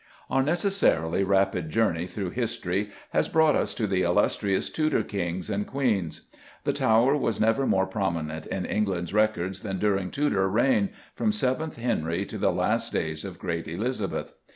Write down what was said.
Our necessarily rapid journey through history has brought us to the illustrious Tudor Kings and Queens. The Tower was never more prominent in England's records than during Tudor reign, from seventh Henry to the last days of great Elizabeth.